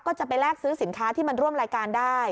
ก็จะไปแลกซื้อสินค้าที่มันร่วมรายการได้